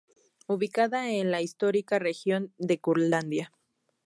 Ubicada en la histórica región de Curlandia.